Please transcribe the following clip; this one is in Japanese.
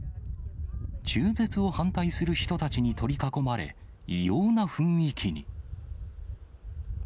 中絶を反対する人たちに取り囲まれ、異様な雰囲気に。